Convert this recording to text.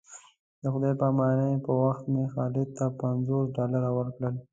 د خدای په امانۍ پر وخت مې خالد ته پنځوس ډالره ورکړل.